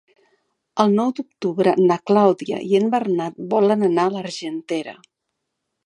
El nou d'octubre na Clàudia i en Bernat volen anar a l'Argentera.